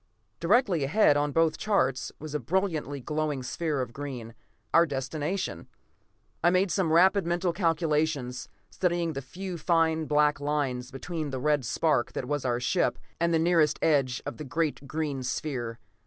Directly ahead, on both charts, was a brilliantly glowing sphere of green our destination. I made some rapid mental calculations, studying the few fine black lines between the red spark that was our ship, and the nearest edge of the great green sphere.